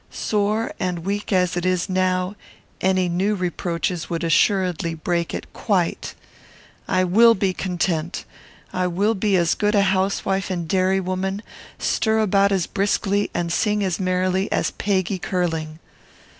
Sore and weak as it now is, any new reproaches would assuredly break it quite. I will be content. I will be as good a housewife and dairywoman, stir about as briskly, and sing as merrily, as Peggy Curling.